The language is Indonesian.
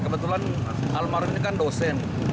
kebetulan almarhum ini kan dosen